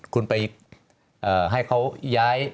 คุณไปให้เขาย้าย